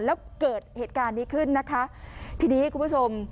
แล้วเกิดเหตุการณ์นี้ขึ้นนะคะทีนี้คุณผู้ชม